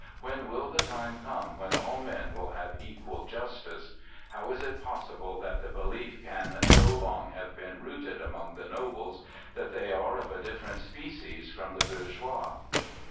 "When will the time come when all men will have equal justice? How is it possible that the belief can so long have been rooted among the nobles that they are of a different species from the bourgeois?"